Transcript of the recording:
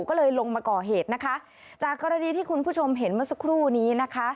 ก็เลยลงมาก่อเหตุนะคะจากกรณีที่คุณผู้ชมเห็นเมื่อสักครู่นี้นะคะ